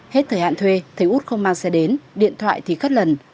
hết thời hạn thuê thấy út không mang xe đến điện thoại thì khất lần